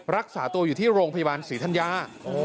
รักษาตัวอยู่ที่โรงพยาบาลศรีธัญญา